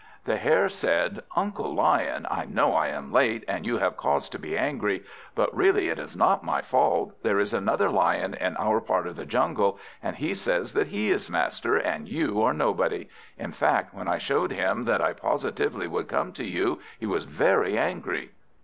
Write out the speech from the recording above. The Hare said "Uncle Lion, I know I am late, and you have cause to be angry. But really it is not my fault. There is another Lion in our part of the jungle, and he says that he is master, and you are nobody. In fact, when I showed him that I positively would come to you he was very angry."